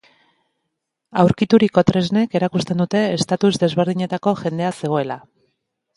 Aurkituriko tresnek erakusten dute estatus desberdineko jendea zegoela.